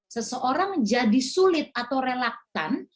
seseorang jadi sulit atau relaktan